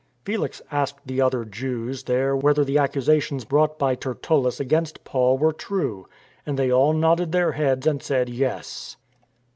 Felix asked the other Jews there whether the ac cusations brought by Tertullus against Paul were true. And they all nodded their heads and said " Yes."